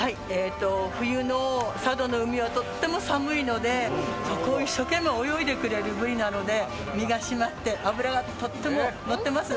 冬の佐渡の海はとっても寒いのでそこを一生懸命泳いでくれるブリなので身が締まって脂がとってものってます。